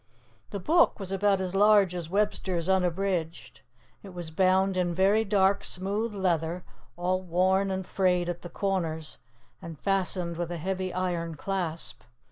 The Book was about as large as Webster's Unabridged. It was bound in very dark, smooth leather, all worn and frayed at the corners, and fastened with a heavy iron clasp.